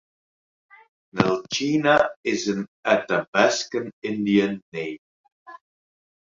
Nelchina is an Athabascan Indian name.